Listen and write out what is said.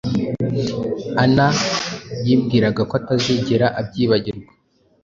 Ana yibwiraga ko atazigera abyibagirwa.